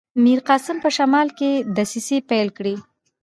میرقاسم په شمال کې دسیسې پیل کړي.